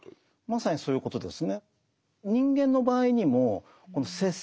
まさにそういうことですね。